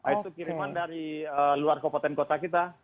itu kiriman dari luar kabupaten kota kita